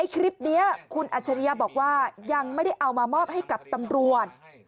คลิปนี้คุณอัจฉริยะบอกว่ายังไม่ได้เอามามอบให้กับตำรวจ